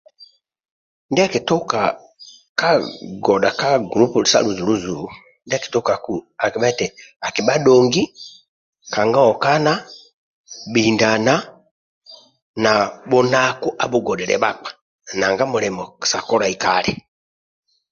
Ndyakitukaga ka godha ka gulupu sa luzuluzu ndia akitukaku akibha dhongi kanga okana bhindana na bhunaku abhugodhilie bhakpa nanga mulimo sa kolai kali